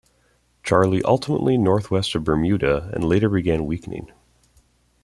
Charlie ultimately northwest of Bermuda, and later began weakening.